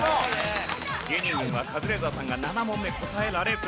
芸人軍はカズレーザーさんが７問目答えられず。